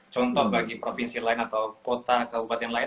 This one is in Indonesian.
contoh bagi provinsi lain atau kota kabupaten lain